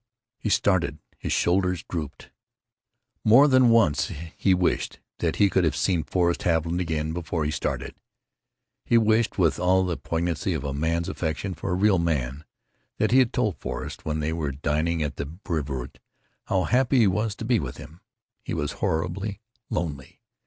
He started; his shoulders drooped. More than once he wished that he could have seen Forrest Haviland again before he started. He wished with all the poignancy of man's affection for a real man that he had told Forrest, when they were dining at the Brevoort, how happy he was to be with him. He was horribly lonely.